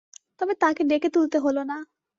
তবে তাঁকে ডেকে তুলতে হলো না।